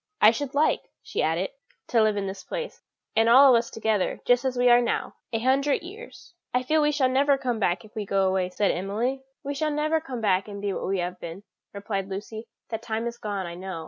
"I should like," she added, "to live in this place, and all of us together, just as we are now, a hundred years." "I feel we shall never come back if we go away," said Emily. "We shall never come back and be what we have been," replied Lucy; "that time is gone, I know.